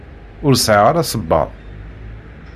Ur sɛiɣ ara sebbaḍ.